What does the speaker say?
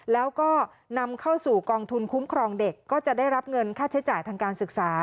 แล้วก็นำเข้าสู่กองทุนคุ้มครองเด็กก็จะได้รับเงินค่าใช้จ่ายทางการศึกษา